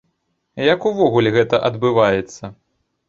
Як увогуле гэта адбываецца?